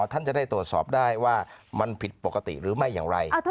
ท่านจะได้ตรวจสอบได้ว่ามันผิดปกติหรือไม่อย่างไร